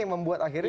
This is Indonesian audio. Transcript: yang membuat akhirnya